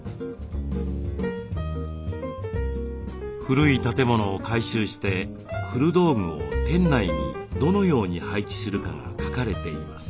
古い建物を改修して古道具を店内にどのように配置するかが描かれています。